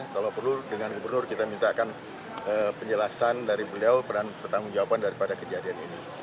kalau perlu dengan gubernur kita mintakan penjelasan dari beliau peran pertanggung jawaban daripada kejadian ini